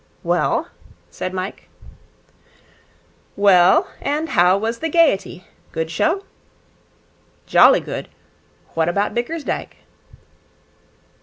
'Well?' said Mike. 'Well? And how was the Gaiety? Good show?' 'Jolly good. What about Bickersdyke?'